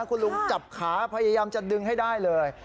คุณลุงจับขาพยายามจะดึงให้ได้เลย